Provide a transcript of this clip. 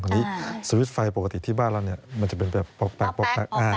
อันนี้สวิตช์ไฟปกติที่บ้านเราเนี่ยมันจะเป็นแบบป๊อก